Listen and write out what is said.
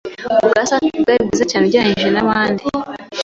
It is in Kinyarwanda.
ubwa Safi bwari bwiza cyane ugereranije n’abandi